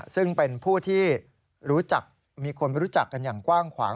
ซึ่งเป็นผู้ที่รู้จักมีคนรู้จักกันอย่างกว้างขวาง